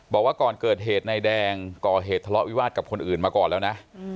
บอกว่าก่อนเกิดเหตุนายแดงก่อเหตุทะเลาะวิวาสกับคนอื่นมาก่อนแล้วนะ